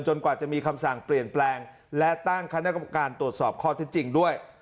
กว่าจะมีคำสั่งเปลี่ยนแปลงและตั้งคณะกรรมการตรวจสอบข้อที่จริงด้วย